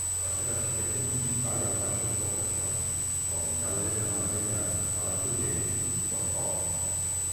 Va ser arquitecte municipal a diverses poblacions, com Caldes de Malavella, Palafrugell i Portbou.